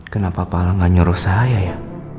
kenapa pak lang gak nyuruh saya ya